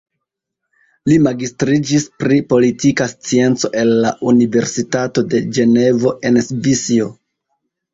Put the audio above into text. Li magistriĝis pri politika scienco el la Universitato de Ĝenevo en Svisio.